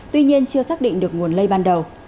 tuy nhiên chưa xác định được nguồn lây ban đầu